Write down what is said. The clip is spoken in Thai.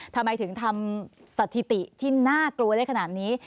ทำไมถึงทำสถิติที่น่ากลัวได้ขนาดนี้